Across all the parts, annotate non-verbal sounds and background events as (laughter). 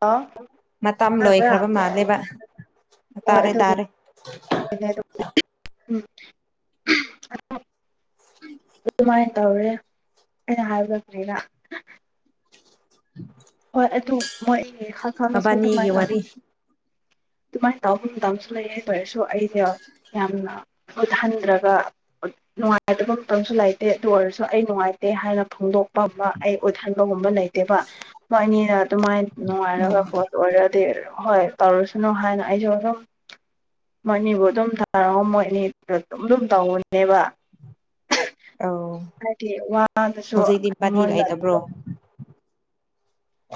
Hello ꯃꯇꯝ ꯂꯣꯏꯈ꯭ꯔꯕ ꯍꯣꯏ ꯃꯥꯂꯦꯕ ꯇꯥꯔꯦ ꯇꯥꯔꯦ (unintelligible) ꯑꯝ (unintelligible) ꯑꯗꯨꯃꯥꯏꯅ ꯇꯧꯔꯦ ꯑꯩꯅ ꯍꯥꯏꯕꯗꯣ ꯀꯔꯤꯔ (unintelligible) ꯍꯣꯏ ꯑꯗꯨ ꯃꯣꯏ ꯈꯪ ꯈꯪꯅꯁꯨ ꯃꯕꯥꯅꯤꯒꯤ ꯑꯗꯨꯃꯥꯏꯅ ꯇꯧꯕ ꯋꯥꯔꯤ (inaudible) ꯑꯗꯨꯃꯥꯏꯅ ꯇꯧꯐꯝ ꯃꯇꯝꯁꯨ ꯂꯩ ꯍꯥꯏꯕ ꯑꯩꯁꯨ ꯑꯩꯗꯣ ꯌꯥꯝꯅ ꯃꯨꯠꯍꯟꯗ꯭ꯔꯒ ꯑ ꯅꯨꯡꯉꯥꯏꯇꯕ ꯃꯇꯝꯁꯨ ꯂꯩꯇꯦ ꯑꯗꯨ ꯑꯣꯏꯔꯁꯨ ꯑꯩ ꯅꯨꯡꯉꯥꯏꯇꯦ ꯍꯥꯏꯅ ꯐꯣꯡꯗꯣꯛꯄ ꯑꯃ ꯑꯩ ꯎꯠꯍꯟꯕꯉꯝꯕ ꯂꯩ ꯇꯦꯕ ꯃꯣꯏ ꯑꯅꯤꯗ ꯑꯗꯨꯃꯥꯏꯅ ꯎꯝ ꯅꯨꯡꯉꯥꯏꯔꯒꯒꯣ ꯑꯣꯏꯔꯗꯤ ꯍꯣꯏ ꯇꯧꯔꯁꯅꯨ ꯍꯥꯏꯅ ꯑꯩꯁꯨ ꯑꯗꯨꯝ ꯃꯣꯏ ꯑꯅꯤꯕꯨ ꯑꯗꯨꯝ ꯊꯥꯔꯑꯣ ꯃꯣꯏ ꯑꯅꯤꯗꯨꯅ ꯑꯗꯨꯝ ꯑꯗꯨꯝ ꯇꯧꯕꯅꯦꯕ ꯑꯧ ꯍꯥꯏꯗꯤ ꯋꯥꯗꯨꯁꯨ ꯑꯩꯉꯣꯟꯗ ꯕ꯭ꯔꯣ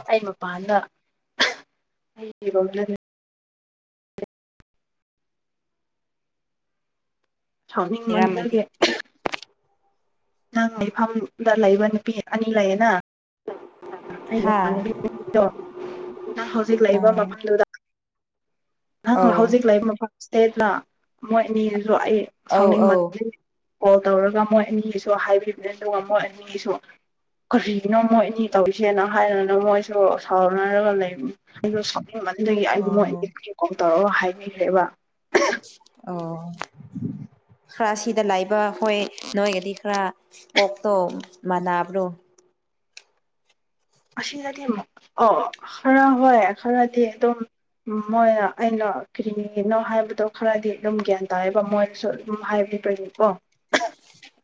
ꯑꯩ ꯃꯄꯥꯟꯗ ꯑꯩ ꯔꯨꯝꯗ ꯂꯩꯔꯝꯃꯗꯤ ꯁꯥꯎꯅꯤꯡꯃꯟꯂꯒꯤ ꯅꯪꯅꯦ ꯐꯝꯃꯨꯡꯗ ꯂꯩꯕ ꯅꯨꯄꯤ ꯑꯅꯤ ꯂꯩꯌꯦꯅ ꯑꯩ ꯍꯥ ꯎꯃꯥꯟꯕꯤ (unintelligible) ꯃꯥ ꯍꯧꯖꯤꯛ ꯂꯩꯔꯤꯕ ꯑꯥ ꯃꯐꯝꯗꯨꯗ ꯅꯪ ꯑꯧ ꯍꯧꯖꯤꯛ ꯂꯩꯕ ꯃꯐꯝ ꯏꯍꯇꯦꯠꯂ ꯃꯣꯏ ꯑꯅꯤꯖꯨꯖꯨ ꯑꯩ ꯑꯧ ꯑꯧ ꯁꯥꯎꯅꯤꯡꯃꯟꯕꯒꯤ ꯀꯣꯜ ꯇꯧꯔꯒ ꯃꯣꯏ ꯑꯅꯤꯒꯤꯁꯨ ꯍꯥꯏꯕꯤꯕꯅꯦ ꯑꯗꯨꯒ ꯃꯣꯏ ꯑꯅꯤꯒꯤꯁꯨ ꯀꯔꯤꯒꯤꯅꯣ ꯃꯣꯏ ꯑꯅꯤ ꯇꯧꯔꯤꯁꯦꯅ ꯍꯥꯏꯔꯒꯅ ꯃꯣꯏꯁꯨ ꯁꯥꯎꯅꯔꯒ ꯂꯩꯕꯅꯤ ꯑꯩꯗꯣ ꯁꯣꯛꯅꯤꯡꯃꯟꯕꯒꯤ ꯑꯩ ꯃꯣꯏ ꯎꯝ ꯑꯅꯤ ꯚꯤꯗꯤꯑꯣꯀꯣꯜ ꯇꯧꯔꯒ ꯍꯥꯏꯕꯤꯈ꯭ꯔꯦꯕ ꯑꯣ ꯈꯔ ꯁꯤꯗ ꯂꯥꯛꯕ ꯍꯣꯏ ꯅꯣꯏꯒꯗꯤ ꯈꯔ ꯀꯣꯛꯇꯣ ꯃꯅꯕ꯭ꯔꯣ ꯑꯁꯤꯗꯗꯤ ꯑꯃꯨꯛ ꯀꯣ ꯈꯔ ꯍꯣꯏ ꯈꯔꯗꯤ ꯑꯗꯨꯝ ꯃꯣꯏꯅ ꯑꯩꯅ ꯀꯔꯤꯒꯤꯅꯣ ꯍꯥꯏꯕꯗꯣ ꯈꯔꯗꯤ ꯑꯗꯨꯝ ꯒ꯭ꯌꯥꯟ ꯇꯥꯌꯦꯕ ꯃꯣꯏꯗꯁꯨ ꯑꯗꯨꯝ ꯍꯥꯏꯕꯤꯕꯒꯤ ꯀꯣ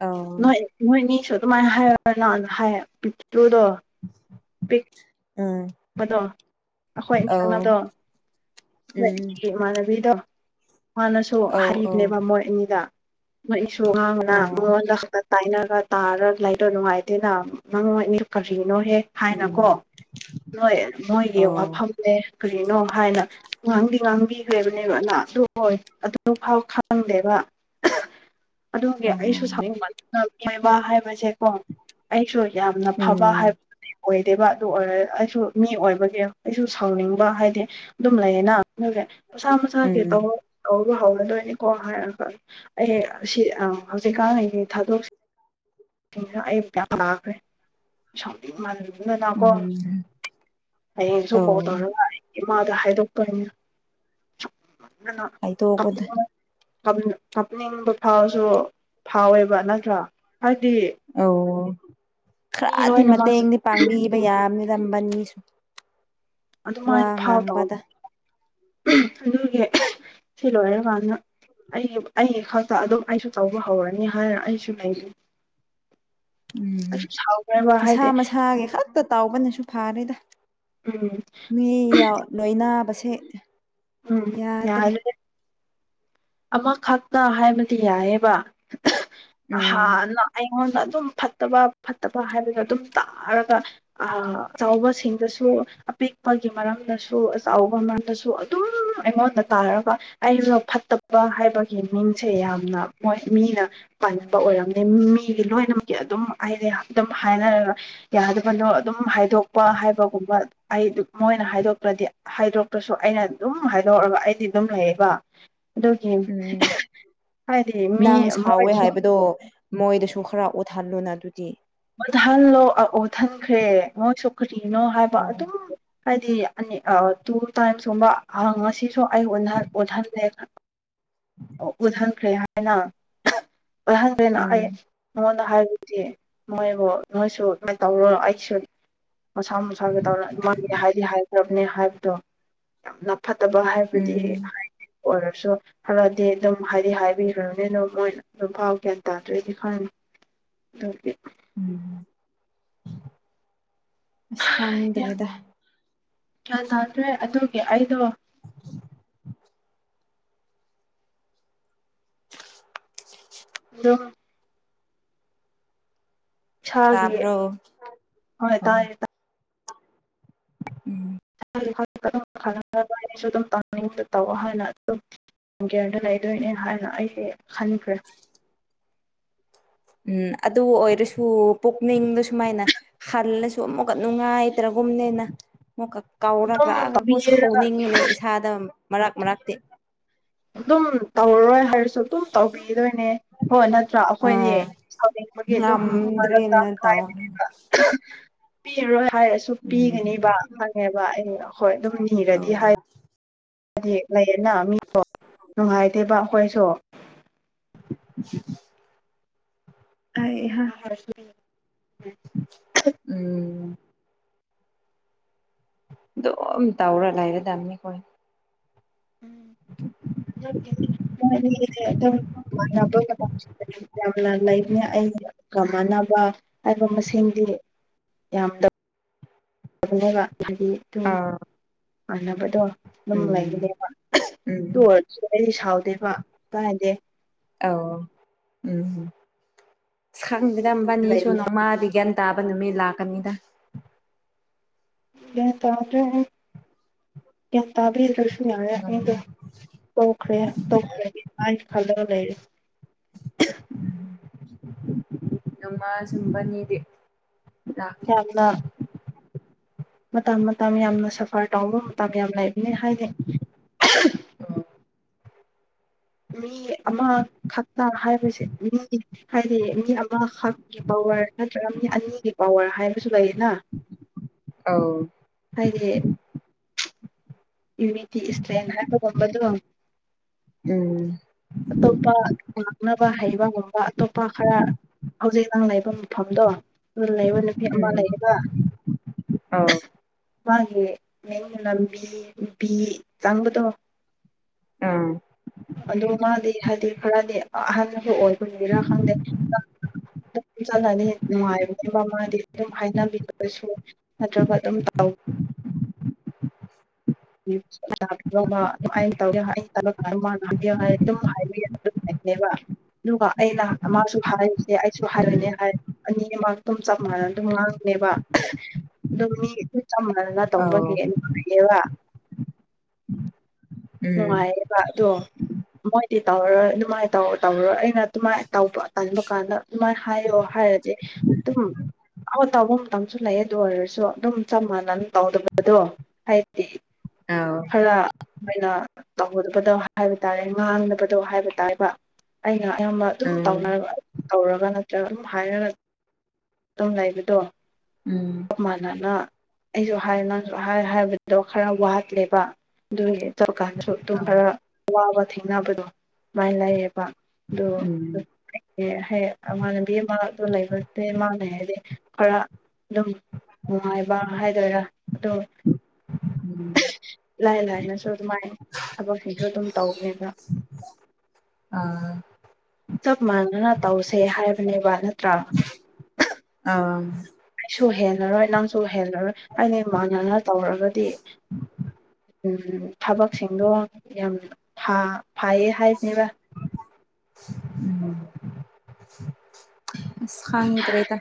ꯑꯧ ꯅꯣꯏ ꯅꯣꯏꯅꯤꯁꯨ ꯑꯗꯨꯃꯥꯏꯅ ꯍꯥꯏꯔ ꯅꯪ ꯍꯥꯏꯌꯦ ꯄꯤꯛꯇ꯭ꯔꯨꯗꯣ ꯄꯤꯛ ꯎꯝ ꯃꯗꯣ ꯑꯩꯈꯣꯏ ꯑꯧ (inaudible) ꯕꯗꯣ ꯎꯝ ꯑꯩꯈꯣꯏꯒꯤ ꯏꯃꯥꯟꯅꯕꯤꯗꯣ ꯃꯥꯅꯁꯨ ꯑꯧ ꯑꯧ ꯍꯩꯕꯅꯦꯕ ꯃꯣꯏ ꯑꯅꯤꯗ ꯅꯣꯏ ꯑꯩꯁꯨ ꯑꯉꯥꯡꯅ ꯑꯧ ꯃꯉꯣꯟꯗ ꯍꯪ ꯇꯥꯏꯅꯔ ꯇꯥꯔꯒ ꯂꯩꯗꯣ ꯅꯨꯡꯉꯥꯏꯇꯦꯅ ꯅꯪ ꯃꯣꯏ ꯑꯅꯤꯗꯣ ꯀꯔꯤꯅꯣꯍꯦ ꯎꯝ ꯍꯥꯏꯅꯀꯣ ꯅꯣꯏ ꯃꯣꯏꯒꯤ ꯑꯧ ꯋꯥꯐꯝꯅꯦ ꯀꯔꯤꯅꯣ ꯍꯥꯏꯅ ꯉꯥꯡꯗꯤ ꯉꯥꯡꯕꯤꯈ꯭ꯔꯦꯕꯅꯦꯕ ꯅ ꯑꯗꯨ ꯍꯣꯏ ꯑꯗꯨ ꯐꯥꯎ ꯈꯪꯗꯦꯕ (unintelligible) ꯑꯗꯨꯒꯤ ꯑꯩꯁꯨ ꯁꯧꯅꯤꯡꯃꯟꯕꯏ ꯃꯥꯍꯥꯏꯕꯁꯦ ꯀꯣ ꯑꯩꯁꯨ ꯌꯥꯝꯅ ꯐꯕ ꯎꯝ ꯍꯥꯏꯕꯗꯨꯗꯤ ꯑꯣꯏꯗꯦꯕ ꯑꯗꯨ ꯑꯣꯏꯔ ꯑꯩꯁꯨ ꯃꯤ ꯑꯣꯢꯕꯒꯤ ꯑꯩꯁꯨ ꯁꯥꯎꯅꯤꯡꯕ ꯍꯥꯢꯗꯤ ꯑꯗꯨꯝ ꯂꯩꯌꯦꯅ ꯑꯗꯨꯒꯤ ꯃꯁꯥ ꯃꯁꯥꯒꯤ ꯎꯝ ꯇꯧꯔꯣ ꯇꯧꯕ ꯍꯧꯔꯗꯣꯢꯅꯤꯀꯣ ꯍꯥꯢꯔꯒ ꯑꯩ ꯍꯌꯦꯡ ꯁꯤ ꯑ ꯍꯧꯖꯤꯛꯀꯥꯟ ꯑꯩꯒꯤ ꯊꯥꯗꯣꯛ ꯐꯅ ꯑꯩ ꯐꯤꯌꯥꯝ ꯅꯥꯈ꯭ꯔꯦ ꯁꯥꯎꯅꯤꯡꯃꯜꯗꯅ ꯀꯣ ꯎꯝ ꯍꯌꯦꯡꯁꯨ ꯑꯧ ꯀꯣꯜ ꯇꯧꯔꯒ ꯑꯩ ꯏꯃꯥꯗ ꯍꯥꯏꯗꯣꯛꯀꯅꯤꯗ ꯁꯨꯛ ꯀꯟꯅ ꯍꯥꯏꯗꯣꯛꯄꯗ ꯀꯞꯅꯤꯡ ꯀꯞꯅꯤ ꯀꯞꯅꯤꯡꯕ ꯐꯥꯎꯔꯁꯨ ꯐꯥꯎꯋꯦꯕ ꯅꯠꯇ꯭ꯔꯣ ꯍꯥꯢꯗꯤ ꯑꯧ ꯈꯔꯗꯤ ꯂꯣꯏꯅꯃꯛꯁꯨ ꯃꯇꯦꯡꯗꯤ ꯄꯥꯡꯕꯤꯕ ꯌꯥꯕꯅꯤꯗ ꯃꯅꯤꯁꯨ ꯑꯗꯨꯃꯥꯏꯅ ꯐꯎ ꯇꯧ ꯑꯗꯨꯒꯤ ꯁꯤ ꯂꯣꯏꯔꯀꯥꯟꯗ ꯑꯩꯒꯤ ꯑꯩꯒꯤ ꯈꯛꯇ ꯑꯗꯨꯝ ꯑꯩꯁꯨ ꯇꯧꯕ ꯍꯧꯔꯅꯤ ꯍꯥꯏꯅ ꯑꯩꯁꯨ ꯂꯩꯕꯅꯤ ꯎꯝ ꯁꯥꯎꯈ꯭ꯔꯦꯕ ꯍꯥꯏꯗꯤ ꯃꯁꯥ ꯃꯁꯥꯒꯤ ꯈꯛꯇ ꯇꯥꯎꯕꯅꯁꯨ ꯐꯥꯔꯦꯗ ꯎꯝ ꯃꯤꯌꯥꯝ ꯂꯣꯏꯅꯕꯁꯦ ꯎꯝ ꯌꯥꯗ꯭ꯔꯦ ꯌꯥꯗ꯭ꯔꯦꯗ ꯑꯃꯈꯛꯇ ꯍꯥꯏꯕꯗꯤ ꯌꯥꯏꯌꯦꯕ ꯎꯝ ꯅꯍꯥꯟꯅ ꯑꯩꯉꯣꯟꯗ ꯑꯗꯨꯝ ꯐꯠꯇꯕ ꯐꯠꯇꯕ ꯍꯥꯏꯕꯗꯣ ꯑꯗꯨꯝ ꯇꯥꯔꯒ ꯑꯆꯧꯕꯁꯤꯡꯗꯁꯨ ꯑꯄꯤꯛꯄꯒꯤ ꯃꯔꯝꯗꯁꯨ ꯑꯆꯧꯕ ꯃꯔꯝꯗꯁꯨ ꯗꯨꯝ ꯑꯩꯉꯣꯟꯗ ꯇꯥꯔꯒ ꯑꯩꯗꯣ ꯐꯠꯇ ꯕ ꯍꯥꯢꯕꯒꯤ ꯃꯤꯡꯁꯦ ꯌꯥꯝꯅ ꯃꯣꯢ ꯃꯤꯅ ꯄꯥꯢ ꯅꯨꯄꯥ ꯑꯣꯢꯔꯝꯃꯦ ꯃꯤꯒꯤ ꯂꯣꯏꯅꯃꯛꯀꯤ ꯑꯗꯨꯝ ꯑꯩꯗꯤ ꯑꯗꯨꯝ ꯍꯥꯏꯅꯔꯒ ꯌꯥꯗꯕꯗꯣ ꯑꯗꯨꯝ ꯍꯥꯢꯗꯣꯛꯄ ꯍꯥꯢꯕꯒꯨꯝꯕ ꯑꯩ ꯃꯣꯏꯅ ꯍꯥꯢꯗꯣꯛꯇ꯭ꯔꯗꯤ ꯍꯥꯏꯗꯣꯛꯇ꯭ꯔꯁꯨ ꯑꯩꯅ ꯑꯗꯨꯝ ꯍꯥꯏꯗꯣꯛꯑꯒ ꯑꯩꯗꯤ ꯑꯗꯨꯝ ꯂꯩꯌꯦꯕ ꯑꯗꯨꯒꯤ ꯎꯝ ꯍꯥꯏꯗꯤ ꯃꯤ ꯅꯪ ꯁꯥꯎꯋꯦ ꯃꯣꯏꯁꯨ ꯍꯥꯢꯕꯗꯣ ꯃꯣꯏꯗꯁꯨ ꯈꯔ ꯎꯠꯍꯜꯂꯨꯅ ꯑꯗꯨꯗꯤ ꯎꯠꯍꯜꯂꯣ ꯑ ꯑꯣꯊꯟꯈ꯭ꯔꯦ ꯃꯣꯢꯁꯨ ꯀꯔꯤꯅꯣ ꯍꯥꯏꯕ ꯑꯣ ꯑꯗꯨꯝ ꯍꯥꯏꯗꯤ ꯑꯅꯤ ꯑ ꯇꯨꯇꯥꯏꯝꯁ ꯀꯨꯝꯕ ꯉꯁꯤꯁꯨ ꯑꯩ ꯑꯣꯟꯅꯍꯟ ꯑꯣꯟꯍꯜꯂꯦ ꯎꯠꯍꯟꯈ꯭ꯔꯦ ꯍꯥꯏꯅ ꯎꯠꯍꯟꯈ꯭ꯔꯦꯅ ꯑꯩ ꯎꯝ ꯃꯉꯣꯟꯗ ꯍꯥꯢꯕꯗꯤ ꯃꯣꯢꯕꯨ ꯅꯣꯢꯁꯨ ꯀꯃꯥꯏ ꯇꯧꯔꯣꯅꯣ ꯑꯩꯁꯨ ꯃꯁꯥ ꯃꯁꯥꯒꯤ ꯇꯧꯔ ꯑꯗꯨꯃꯒꯤ ꯍꯥꯢꯗꯤ ꯍꯥꯢꯈ꯭ꯔꯕꯅ ꯍꯥꯏꯜꯢꯕꯗꯣ ꯅꯞ ꯐꯠꯇꯕ ꯍꯥꯢꯕꯗꯤ ꯎꯝ ꯍꯥꯢ ꯑꯣꯏꯔꯁꯨ ꯐꯔꯗꯤ ꯑꯗꯨꯝ ꯍꯥꯢꯗꯤ ꯍꯥꯢꯕꯤꯕꯅꯦꯅ ꯃꯣꯏꯅ ꯑꯗꯨꯝ ꯐꯥꯎ ꯒ꯭ꯌꯥꯟ ꯇꯥꯗꯔꯦ ꯏꯝꯐꯥꯟ ꯑꯗꯨꯒꯤ ꯎꯝ ꯑꯁ ꯈꯪꯗ꯭ꯔꯦꯗ ꯒ꯭ꯌꯟ ꯇꯥꯗ꯭ꯔꯦ ꯑꯗꯨꯒꯤ ꯑꯩꯗꯣ ꯑꯗꯨꯝ ꯏꯁꯥꯒꯤ ꯇꯥꯕ꯭ꯔꯣ ꯍꯣꯢ ꯇꯥꯢꯌꯦ ꯇ ꯎꯝ ꯑꯩ ꯏꯝꯐꯥꯜ ꯗꯗꯨꯝ ꯈꯂꯪꯗꯕ ꯑꯩꯅꯁꯨ ꯑꯗꯨꯝ ꯇꯧꯅꯤꯡꯗ ꯇꯧꯑꯣ ꯍꯥꯏꯅ ꯑꯗꯨꯝ ꯒꯌꯔꯗ ꯂꯩꯗꯣꯢꯅꯦ ꯍꯥꯢꯅ ꯑꯩꯁꯦ ꯈꯟꯈ꯭ꯔꯦ (inaudible) ꯎꯝ ꯑꯗꯨ ꯑꯣꯏꯔꯁꯨ ꯄꯨꯛꯅꯤꯡꯗ ꯁꯨꯃꯥꯏꯅ ꯍꯜꯂꯁꯨ ꯑꯃꯨꯛꯀ ꯅꯨꯡꯉꯥꯏꯇ꯭ꯔꯒꯨꯝꯅꯦꯅ ꯑꯃꯨꯛꯀ ꯀꯥꯎꯔꯛ ꯑꯗꯨꯝ ꯂꯛꯑꯒꯀꯣ ꯇꯧꯕꯤꯔꯒ ꯁꯥꯎꯅꯤꯡꯕꯅꯦ ꯏꯁꯥꯗ ꯃꯔꯛ ꯃꯔꯛꯇꯤ꯫ ꯑꯗꯨꯝ ꯇꯧꯔꯔꯣꯏ ꯍꯥꯏꯔꯁꯨ ꯑꯗꯨꯝ ꯇꯧꯕꯤꯗꯣꯏꯅꯦ ꯍꯣꯏ ꯅꯠꯇ꯭ꯔꯥ ꯑꯩꯈꯣꯏꯗꯤ꯫ ꯑꯥ ꯁꯥꯎꯅꯤꯡꯕꯒꯤ ꯑꯗꯨꯝ ꯃꯔꯛꯇ ꯉꯝꯗ꯭ꯔꯦꯅ ꯇꯧ ꯍꯥꯏꯕꯅꯦꯕ꯫ ꯄꯤꯔ ꯔꯣꯏ ꯍꯥꯏꯔꯁꯨ ꯎꯝ ꯄꯤꯒꯅꯤꯕ ꯈꯪꯉꯦꯕ ꯑꯩ ꯍꯣꯏ ꯑꯗꯨꯝ ꯑꯧ ꯅꯤꯔꯗꯤ ꯍꯥꯏ ꯍꯥꯏꯗꯤ ꯂꯩꯌꯦꯅ ꯃꯤꯗꯣ ꯅꯨꯡꯉꯥꯏꯇꯦꯕ ꯑꯩꯈꯣꯏꯁꯨ ꯍꯩꯍꯥ ꯄꯤꯔꯣꯏ ꯍꯥꯏꯔꯁꯨ ꯎꯝ ꯑꯗꯨꯝ ꯇꯥꯎꯔ ꯂꯥꯏꯔꯗꯅꯤ ꯈꯣꯏ꯫ (unintelligible) ꯌꯥꯝꯅ ꯂꯩꯕꯅꯦ ꯑꯩꯒꯥ ꯃꯥꯟꯅꯕ ꯍꯥꯏꯕ ꯃꯁꯤꯡꯗꯤ ꯌꯥꯝꯗꯕ ꯑꯗꯨꯒ ꯍꯥꯏꯗꯤ ꯑꯗꯨꯝ ꯃꯥꯟꯅꯕꯗꯣ ꯑꯗꯨꯝ ꯎꯝ ꯂꯩꯕꯅꯦꯕ꯫ ꯎꯝ ꯇꯨ ꯑꯣꯏꯔꯁꯨ ꯑꯩꯗꯤ ꯁꯥꯎꯗꯦꯕ ꯀꯥꯏꯅꯗꯦ꯫ ꯑꯧ ꯎꯝ ꯎꯝ ꯈꯪꯗꯦꯗ ꯃꯣꯢꯕꯅꯤꯁꯨ ꯂꯩꯕꯅꯦ ꯅꯣꯡꯃꯥꯗꯤ ꯒ꯭ꯌꯥꯟ ꯇꯥꯕ ꯅꯨꯃꯤꯠ ꯂꯥꯛꯀꯅꯤꯗ꯫ ꯒꯌ꯭ꯥꯟ ꯇꯥꯗꯔꯦ ꯑꯩ ꯒꯌ꯭ꯥꯟ ꯇꯥꯗ꯭ꯔꯦ ꯌꯔꯦ ꯅꯣꯡꯃ ꯑꯩꯗꯣ ꯇꯣꯛꯈ꯭ꯔꯦ ꯇꯣꯛꯈ꯭ꯔꯦꯗꯤ ꯍꯥꯏ ꯈꯜꯂꯒ ꯂꯩꯔꯦ꯫ (inaudible) ꯅꯣꯡꯃ ꯁꯝꯕꯅꯤꯗꯦꯛ ꯀꯅ ꯃꯇꯝ ꯃꯇꯝ ꯌꯥꯝꯅ ꯁꯐꯔ ꯇꯧꯕ ꯃꯇꯝ ꯌꯥꯝ ꯂꯩꯕꯅꯤ ꯍꯥꯏꯗꯤ ꯑ ꯃꯤ ꯑꯃꯈꯛꯇ ꯍꯥꯏꯕꯁꯦ ꯃꯤ ꯍꯥꯏꯗꯤ ꯃꯤ ꯑꯃꯈꯛꯀꯤ ꯄꯋꯥꯔ ꯅꯠꯇ꯭ꯔꯒ ꯃꯤ ꯑꯅꯤꯒꯤ ꯄꯋꯔ ꯍꯥꯏꯕꯁꯨ ꯂꯩꯌꯦꯅ꯫ ꯑꯥꯎ ꯍꯥꯏꯗꯤ ꯌꯨꯅꯤꯇꯤ ꯏꯁ ꯁꯇ꯭ꯔꯦꯡ ꯍꯥꯏꯕꯒꯨꯝꯕꯗꯣ ꯎꯝ ꯄ ꯉꯥꯡꯅꯕ ꯍꯩꯕ ꯉꯝꯕ ꯑꯇꯣꯞꯄ ꯈꯔ ꯍꯧꯖꯤꯛ ꯅꯪ ꯂꯩꯕ ꯃꯐꯝꯗꯣ ꯂꯩꯕ ꯅꯨꯄꯤ ꯑꯃ ꯎꯝ ꯂꯩꯌꯦꯕ ꯑꯧ ꯃꯥꯒꯤ ꯅꯦꯅ ꯂꯝꯕꯤ ꯅꯨꯄꯤ ꯇꯥꯡꯕꯗꯣ ꯑꯥ ꯑꯗꯣ ꯃꯥꯗꯤ ꯍꯥꯏꯗꯤ ꯈꯔꯗꯤ ꯑꯍꯟꯒ ꯑꯣꯏꯕꯒꯤꯔꯥ ꯈꯪꯗꯦ ꯆꯠꯂꯅꯤ ꯅꯨꯡꯉꯥꯏꯕꯅꯦ ꯃꯃꯥꯗꯤ ꯑꯗꯨꯝ ꯍꯥꯏꯅꯕꯤꯔꯁꯨ ꯅꯠꯇ꯭ꯔꯒ ꯑꯗꯨꯝ ꯄꯤ ꯑꯗꯨꯃꯥꯏꯅ ꯇꯧꯒ ꯇꯂꯛ ꯃꯥꯅ ꯍꯥꯄꯤꯌꯣ ꯍꯥꯏ ꯑꯗꯨꯝ ꯍꯥꯏꯕ ꯌꯥ ꯑꯗꯨꯝ ꯂꯩꯅꯦꯕ꯫ ꯑꯗꯨꯒ ꯑꯩꯅ ꯃꯥꯁꯨ ꯍꯥꯏꯔꯤꯁꯦ ꯑꯩꯁꯨ ꯎꯝ ꯍꯥꯏꯔꯣꯏꯅꯦ ꯍꯥꯏ ꯑꯅꯤꯃꯛ ꯑꯗꯨꯝ ꯆꯞ ꯃꯥꯟꯅ ꯑꯗꯨꯝ ꯉꯥꯡꯕꯅꯦꯕ ꯑꯗꯨꯅꯤ ꯑꯗꯨꯝ ꯆꯞ ꯃꯥꯟꯅ ꯇꯧꯕ ꯑꯧ ꯅꯨꯡꯉꯥꯏꯌꯦꯕ ꯎꯝ ꯅꯨꯡꯉꯥꯏꯌꯦꯕ ꯑꯗꯣ ꯃꯣꯏꯗꯤ ꯇꯧꯔꯣꯏ ꯑꯗꯨꯃꯥꯏꯅ ꯇꯧ ꯇꯧꯔꯣꯏ ꯑꯩ ꯑꯗꯨꯃꯥꯏꯅ ꯇꯧꯕ ꯇꯥꯟꯕ ꯀꯥꯟꯗ ꯑꯗꯨꯃꯥꯏꯅ ꯍꯥꯏꯌꯣ ꯍꯥꯏꯔꯗꯤ ꯑꯗꯨꯝ ꯐꯣꯟ ꯇꯧꯕ ꯃꯇꯝꯁꯨ ꯂꯩꯌꯦ ꯑꯗꯨ ꯑꯣꯏꯔꯁꯨ ꯑꯗꯨꯝ ꯆꯞ ꯃꯥꯟꯅꯅ ꯇꯧꯗꯕꯗꯣ ꯍꯥꯏꯗꯤ ꯑꯧ ꯈꯔ ꯑꯩꯅ ꯇꯧꯍꯟꯕꯗꯣ ꯍꯥꯏꯕ ꯇꯥꯔꯦ ꯉꯥꯡꯅꯕꯗꯣ ꯍꯥꯏꯕ ꯇꯥꯥꯏꯕ ꯑꯩꯅ ꯑꯌꯥꯝꯕ ꯑꯗꯨꯝ ꯎꯝ ꯇꯧꯅꯔꯕ ꯇꯧꯔꯒ ꯅꯠꯇ꯭ꯔꯒ ꯑꯗꯨꯝ ꯍꯥꯏꯔꯒ ꯑꯗꯨꯝ ꯂꯩꯕꯗꯣ ꯎꯝ (unintelligible) ꯗꯨꯝ ꯃꯥꯟꯅꯅ ꯑꯩꯁꯨ ꯍꯥꯏ ꯅꯪ ꯍꯥꯏ ꯍꯥꯏꯕꯗꯣ ꯈꯔ ꯋꯥꯠꯂꯦꯕ ꯑꯗꯨꯒꯤ ꯇꯧꯔꯀꯥꯟꯗꯁꯨ ꯑꯗꯨꯝ ꯑꯧ ꯈꯔ ꯑꯋꯥꯕ ꯊꯦꯡꯅꯕꯗꯣ ꯃꯥꯏ ꯂꯩꯌꯦꯕ ꯑꯗꯨ ꯎꯝ ꯑꯦ ꯍꯌꯦ ꯏꯃꯥꯟꯅꯕꯤ ꯑꯃ ꯑꯗꯨꯣ ꯂꯩꯕꯦ ꯃꯥꯅꯩ ꯍꯥꯏꯗꯤ ꯈꯔ ꯑꯗꯨꯝ ꯅꯨꯡꯉꯥꯏꯕ ꯍꯥꯏꯗꯣꯏꯔꯥ ꯑꯗꯨ ꯎꯝ ꯂꯥꯏ ꯂꯥꯏꯅꯁꯨ ꯑꯗꯨꯃꯥꯏꯅ ꯊꯕꯛꯁꯤꯡꯁꯨ ꯑꯗꯨꯝ ꯇꯧꯅꯧꯕꯅꯤꯕꯥ ꯑꯥ ꯆꯞ ꯃꯥꯟꯅꯅ ꯇꯧꯁꯦ ꯍꯥꯏꯕꯅꯦꯕ ꯅꯠꯇ꯭ꯔꯥ ꯑ ꯑꯩꯁꯨ ꯍꯦꯜꯂꯔꯣꯏ ꯅꯪꯁꯨ ꯍꯦꯜꯂꯔꯣꯏ ꯑꯩꯅ ꯏꯃꯥꯟꯅꯅ ꯇꯧꯔꯒꯗꯤ ꯊꯕꯛꯁꯤꯡꯗꯣ ꯌꯥꯝ ꯐꯥ ꯐꯩꯌꯦ ꯍꯥꯏꯕꯅꯦꯕ ꯈꯪꯗ꯭ꯔꯦꯗ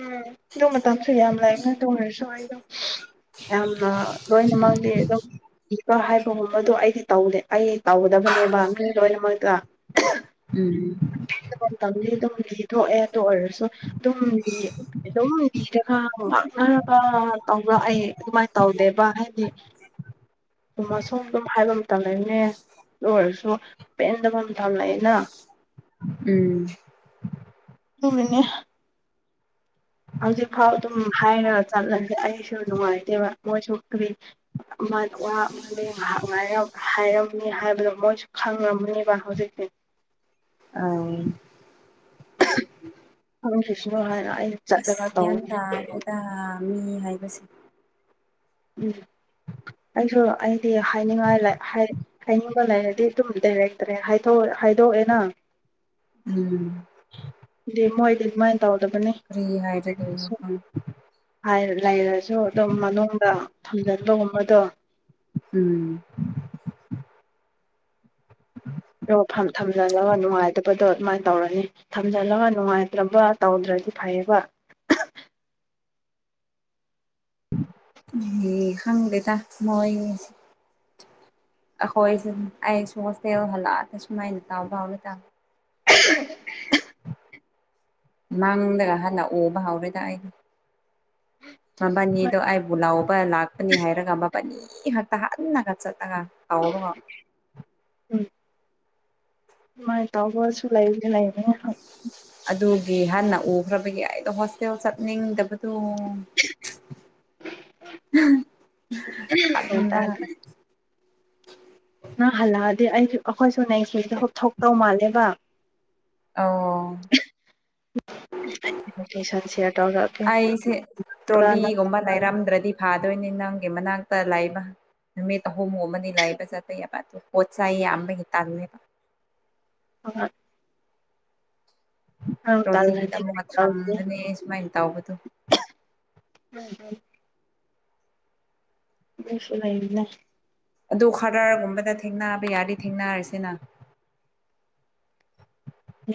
ꯎꯝ ꯑꯗꯨ ꯃꯇꯝꯁꯨ ꯌꯥꯝ ꯂꯥꯛ ꯑꯗꯨ ꯑꯣꯏꯔꯥꯁꯨ ꯑꯩꯗꯣ ꯌꯥꯝꯅ ꯂꯣꯏꯅꯃꯛꯅꯤ ꯑꯗꯨꯝ ꯏꯕ ꯍꯥꯏꯕꯒꯨꯝꯕꯗꯣ ꯑꯩꯗꯤ ꯇꯧꯗꯦ ꯑꯩ ꯇꯧꯒꯗꯕꯅꯦꯕ ꯃꯤ ꯂꯣꯏꯅꯃꯛꯇ ꯎꯝ ꯇꯪꯅꯤ ꯑꯗꯨꯝ ꯂꯤꯊꯣꯛꯑꯦ ꯑꯗꯨ ꯑꯣꯏꯔꯁꯨ ꯑꯗꯨꯝ ꯂꯤ ꯑꯗꯨꯝ ꯂꯤꯔꯒ ꯉꯥꯛꯅꯔꯒ ꯇꯧꯕ꯭ꯔ ꯑꯩ ꯑꯗꯨꯃꯥꯏꯅ ꯇꯧꯗꯦꯕ ꯍꯥꯏꯗꯤ ꯎꯝ (unintelligible) ꯑꯗꯨ ꯑꯁꯨꯝ ꯑꯗꯨꯝ ꯍꯥꯏꯕ ꯃꯇꯝ ꯂꯩꯕꯅꯦ ꯑꯥꯗꯨ ꯑꫭꯏꯔꯁꯨ ꯄꯦꯟꯗꯕꯥ ꯃꯇꯝ ꯂꯩꯗꯅ ꯎꯝ ꯑꯗꯨꯃꯤꯅꯤ ꯍꯧꯖꯤꯛ ꯐꯥꯎ ꯑꯗꯨꯝ ꯍꯥꯏꯔꯒ ꯆꯠꯂꯁꯦ ꯑꯩꯁꯨ ꯅꯨꯡꯉꯥꯏꯇꯦꯕ ꯃꯣꯏꯁꯨ ꯀꯔꯤ ꯋꯥ ꯑꯃꯗꯤ ꯉꯥꯏꯍꯥꯛ ꯉꯥꯏ ꯍꯥꯏꯔꯝꯅꯤ ꯍꯥꯏꯕꯗꯣ ꯃꯣꯏꯁꯨ ꯈꯪꯉꯝꯃꯅꯦꯕ ꯍꯧꯖꯤꯛꯇꯤ ꯑꯥꯝ ꯈꯪꯗꯔꯤꯁꯤꯅꯨ ꯍꯥꯏꯔ ꯒ꯭ꯌꯥꯟ ꯇꯥꯗ‌ꯦꯗ ꯃꯤ ꯍꯥꯏꯕꯁꯦ ꯎꯝ ꯑꯩꯁꯨ ꯑꯩꯗꯤ ꯍꯥꯏꯅꯤꯡꯉꯥꯏ ꯂꯩ ꯍꯥꯏ ꯍꯥꯏꯅꯤꯡꯕ ꯂꯩꯔꯗꯤ ꯑꯗꯨꯝ ꯗꯥꯏꯔꯦꯛ ꯗꯥꯏꯔꯦꯛ ꯍꯥꯏꯗꯣꯛꯑꯦꯅ ꯎꯝ ꯗꯤ ꯃꯣꯏꯗꯤ ꯑꯗꯨꯃꯥꯏꯅ ꯇꯧꯗꯕꯅꯦ ꯐꯔꯤ ꯍꯥꯏꯔ ꯑꯗꯨ (unintelligible) ꯍꯥꯏ ꯂꯩꯔꯁꯨ ꯑꯗꯨꯝ ꯃꯅꯨꯡꯗ ꯊꯝꯖꯤꯟꯕꯒꯨꯝꯕꯗꯣ ꯎꯝ ꯑꯗꯣ ꯊꯝꯖꯜꯂꯒ ꯅꯨꯡꯉꯥꯏꯇꯕꯗꯣ ꯑꯗꯨꯃꯥꯏꯅ ꯇꯧꯔꯅꯤ ꯊꯝꯖꯤꯜꯂꯒ ꯅꯨꯡꯉꯥꯏꯇ꯭ꯔꯕ ꯇꯧꯗ꯭ꯔꯗꯤ ꯐꯩꯌꯦꯕ ꯏ ꯈꯪꯗꯦꯗ ꯃꯣꯏꯒꯤꯁ‌ꯦ ꯑꯩꯈꯣꯏꯁꯨ ꯑꯩꯁꯨ ꯍꯣꯁꯇꯦꯜ ꯍꯜꯂꯛꯑꯒ ꯁꯨꯃꯥꯏꯅ ꯇꯥꯎ ꯐꯥꯎꯅ ꯇꯪ ꯎ (unintelligible) ꯃꯥꯡꯗꯒ ꯍꯥꯟꯅ ꯑꯣꯕ ꯍꯧꯥꯎꯔꯦꯗ ꯑꯩ (unintelligible) ꯍꯣꯏ ꯃꯕꯥꯅꯤꯗꯣ ꯑꯩꯥꯏꯕꯨ ꯂꯧꯕ ꯂꯥꯛ ꯅꯤ ꯍꯥꯏꯔꯒ ꯃꯄꯜ ꯈꯥꯛꯛꯇ ꯍꯟꯅꯒ ꯆꯠꯂꯒ ꯇꯥꯎꯔ ꯇꯨꯃꯥꯏꯅ ꯇꯧꯕꯁꯨ ꯂꯩꯗꯤ ꯂꯩꯕꯅ‌ꯦ ꯑꯗꯨꯒꯤ ꯍꯟꯅ ꯎꯈ꯭ꯔꯕꯒꯤ ꯑꯩꯗꯣ ꯍꯣꯁꯇꯦꯜ ꯆꯠꯅꯤꯡꯗꯕꯗꯣ ꯒ꯭ꯌꯥꯟ ꯀꯗ ꯇꯥꯗ꯭ꯔꯦ ꯅꯪ ꯍꯜꯂꯛꯑꯗꯤ ꯑꯩꯁꯨ ꯑꯩꯈꯣꯏꯁꯨ ꯅꯦꯛꯁ ꯋꯤꯛꯇ ꯊꯣꯛꯇꯧ ꯃꯥꯜꯂꯦꯕ ꯑꯧ ꯑꯩꯒꯤ ꯂꯣꯀꯦꯁꯟ ꯁꯤꯌꯔ ꯇꯧꯔꯛꯀꯦ ꯑꯩꯁꯦ ꯄꯨꯔꯥ ꯇ꯭ꯔꯣꯂꯤꯒꯨꯝꯕ ꯂꯩꯔꯝꯗ꯭ꯔꯗꯤ ꯐꯥꯗꯣꯏꯅꯤ ꯅꯪꯒꯤ ꯃꯅꯥꯛꯇ ꯂꯥꯛꯏꯕ ꯅꯨꯃꯤꯠ ꯑꯍꯨꯝꯃꯨꯛ ꯑꯃꯗꯤ ꯂꯥꯏꯕ ꯆꯠꯄ ꯌꯥꯕ ꯑꯗꯨ ꯄꯣꯠ ꯆꯩꯥꯏ ꯌꯥꯝꯕꯒꯤ ꯇꯥꯡꯉꯦꯕ ꯍꯣꯏ ꯅꯪ ꯇ꯭ꯔꯣꯂꯤꯗ ꯇꯜꯂꯗꯤ ꯑꯃꯨꯛ ꯑ ꯇꯧꯒꯦ ꯊꯥꯡꯕꯅꯦ ꯁꯨꯃꯥꯏꯅ ꯇꯧꯕꯗꯣ (inaudible) ꯑꯩꯁꯨ ꯂꯩꯔꯤꯅ ꯑꯗꯨ ꯈꯔꯔꯒꯨꯝꯕꯗ ꯊꯦꯡꯕ ꯌꯥꯗꯤ ꯊꯦꯡꯅꯔꯤꯁꯤꯅ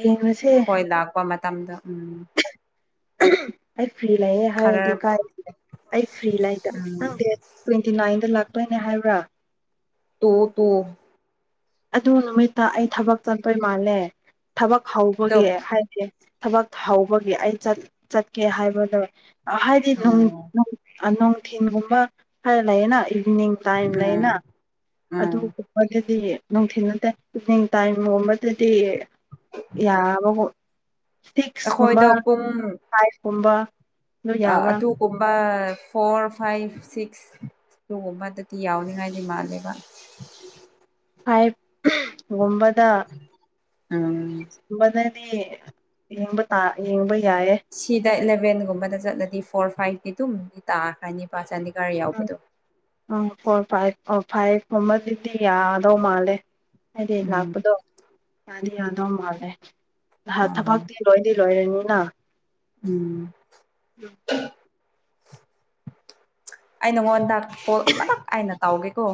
ꯌꯦꯡꯉꯁꯦ ꯍꯣꯏ ꯂꯥꯛꯄ ꯃꯇꯝꯗ ꯎꯝ (unintelligible) ꯑꯩ ꯐ꯭ꯔꯤ ꯂꯩꯌꯦ ꯈꯔ ꯍꯥꯏꯔꯗꯤ ꯀꯥꯏꯔ ꯑꯩ ꯐ꯭ꯔꯤ ꯂꯩꯗ ꯎꯝ ꯅꯪꯗꯤ ꯇ꯭ꯋꯦꯟꯇꯤ ꯅꯥꯏꯟꯗ ꯂꯥꯛꯇꯣꯏꯅꯦ ꯍꯥꯏꯕ꯭ꯔꯥ ꯇꯨ ꯇꯨ ꯑꯗꯨ ꯅꯨꯃꯤꯠꯇ ꯑꯩ ꯊꯕꯛ ꯆꯠꯇꯠꯇꯣꯏ ꯃꯥꯜꯂꯦ ꯊꯕꯛ ꯍꯧꯕꯒꯤ ꯑꯗꯣ ꯍꯥꯏꯁꯦ ꯊꯕꯛ ꯍꯧꯕꯒꯤ ꯑꯩ ꯆꯠꯀꯦ ꯍꯥꯏꯕꯗ ꯍꯥꯏꯗꯤ ꯎꯝ ꯅꯨꯡꯊꯤꯟꯒꯨꯝꯕ ꯈꯔ ꯂꯩꯌꯦꯅ ꯏꯚꯤꯅꯤꯡ ꯇꯥꯏꯝ ꯂꯩꯌꯦꯅ ꯎꯝ ꯎꯝ ꯑꯗꯨꯒ ꯃꯗꯨꯗꯤ ꯅꯨꯡꯊꯤ ꯅꯠꯇꯦ ꯏꯚꯅꯤꯡ ꯇꯥꯏꯝꯒꯣꯕꯗꯗꯤ ꯌꯥꯕꯒ ꯁꯤꯛꯁꯀꯨꯝꯕ ꯑꯩꯈꯣꯏꯗꯣ ꯄꯨꯡ ꯐꯥꯏꯚꯀꯨꯝꯕ ꯑꯗꯨ ꯑ ꯌꯥꯕ꯭ꯔꯥ ꯑꯗꯨ ꯨꯝꯕ ꯐꯣꯔ ꯐꯥꯏꯚ ꯁꯤꯛꯁ ꯇꯨꯒꯨꯝꯕꯗꯗꯤ ꯌꯥꯎꯅꯤꯡꯉꯥꯏꯗꯤ ꯃꯥꯜꯂꯦꯕ ꯐꯥꯏꯚꯒꯨꯝꯕꯗ ꯎꯝ ꯕꯅꯗꯤ ꯌꯦꯡꯕ ꯌꯦꯡꯕ ꯌꯥꯏꯌꯦ ꯁꯤꯗ ꯏꯂꯕꯦꯟꯒꯨꯝꯕꯗ ꯆꯠꯂꯗꯤ ꯐꯣꯔ ꯐꯥꯏꯚꯀꯤ ꯑꯗꯨꯝꯗꯤ ꯇꯥꯈ꯭ꯔ ꯅꯤꯄꯥ ꯆꯅꯤꯒꯥꯔ ꯌꯥꯎꯕꯗꯣ ꯑ ꯐꯣꯔ ꯐꯥꯏꯚ ꯑ ꯐꯥꯏꯚ ꯀꯨꯝꯕꯗꯨꯗꯤ ꯌꯥꯒꯗꯧ ꯃꯥꯜꯂꯦ ꯍꯥꯏꯗꯤ ꯎꯝ ꯂꯥꯛꯄꯗꯣ ꯌꯥꯗꯤ ꯌꯥꯗꯧ ꯃꯥꯜꯂꯦ ꯑꯥ ꯊꯕꯛꯇꯤ ꯂꯣꯏꯗꯤ ꯂꯣꯏꯔꯅꯤꯅ ꯎꯝ ꯑꯩ ꯅꯣꯡꯉꯣꯟꯗꯥꯛ ꯐꯣꯜ ꯑꯃꯂꯛ ꯑꯅ ꯇꯧꯒꯦꯀꯣ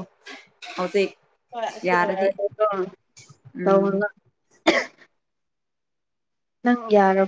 ꯍꯧꯖꯤꯛ ꯍꯣꯏ ꯑꯁꯤꯔꯣ ꯌꯥꯔꯗꯤ ꯇꯧ ꯎꯝ ꯅꯪ ꯌꯥꯔꯣ